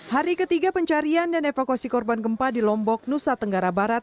hari ketiga pencarian dan evakuasi korban gempa di lombok nusa tenggara barat